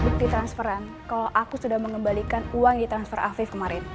bukti transferan kalau aku sudah mengembalikan uang di transfer aviv kemarin